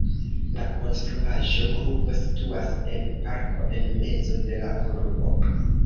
La konstruaĵo-grupo situas en parko en mezo de la urbo.